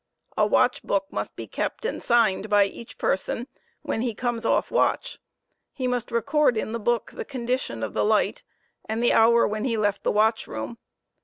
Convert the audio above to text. A watch book must bo kept and signed by each person when he comes off watch. He must record in the book the condition of the light and the hour when he left the watchroom.